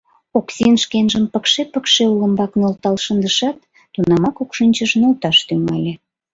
Оксин шкенжым пыкше-пыкше олымбак нӧлтал шындышат, тунамак укшинчыш нӧлташ тӱҥале.